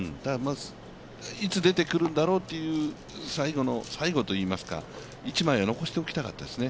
いつ出てくるんだろうという最後の最後といいますか、一枚は残しておきたかったですね。